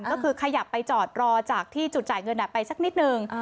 ก็คือขยับไปจอดรอจากที่จุดจ่ายเงินไปสักนิดนึง